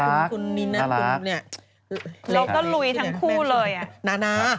เราก็ลุยทั้งคู่เลย